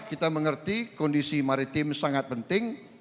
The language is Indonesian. kita mengerti kondisi maritim sangat penting